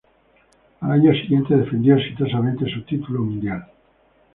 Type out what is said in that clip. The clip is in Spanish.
Al año siguiente defendió exitosamente su título mundial.